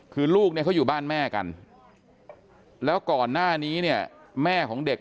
คือลูกเนี่ยเขาอยู่บ้านแม่กันแล้วก่อนหน้านี้เนี่ยแม่ของเด็ก